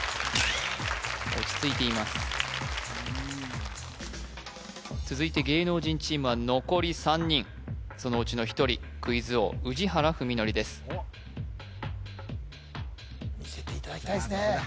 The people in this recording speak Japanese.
落ち着いています続いて芸能人チームは残り３人そのうちの１人クイズ王宇治原史規ですみせていただきたいですねさあ